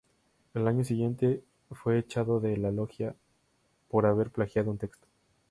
Al año siguiente fue echado de la logia por haber plagiado un texto.